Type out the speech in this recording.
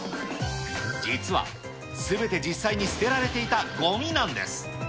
実はすべて実際に捨てられていたごみなんです。